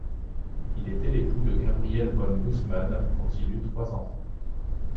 Il était l'époux de Gabriele von Gusmann, dont il eut trois enfants.